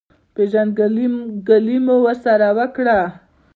پېژندګلوي مو ورسره وکړه.